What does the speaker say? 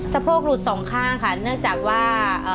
สะโพกหลุด๒ข้างค่ะเนื่องจากว่า